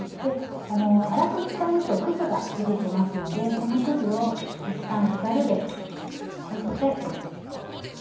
粗く刻むとくずが出て来ますのでそのくずをいったんザルでこして。